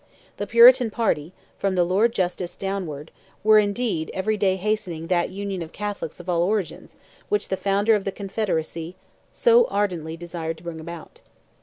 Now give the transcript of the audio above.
The Puritan party, from the Lord Justice downwards, were, indeed, every day hastening that union of Catholics of all origins which the founder of the Confederacy so ardently desired to bring about.